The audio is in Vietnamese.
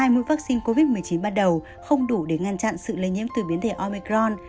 hai mũi vaccine covid một mươi chín ban đầu không đủ để ngăn chặn sự lây nhiễm từ biến thể omicron